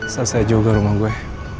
selesai juga rumah gue